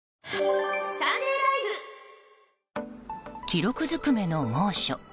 記録ずくめの猛暑。